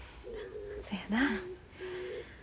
そやな。